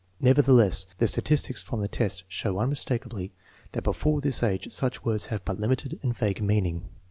Never theless, the statistics from the test show unmistakably that before this age such words have but limited and vague meaning.